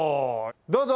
どうぞ！